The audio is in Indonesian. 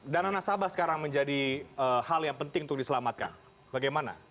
dana nasabah sekarang menjadi hal yang penting untuk diselamatkan bagaimana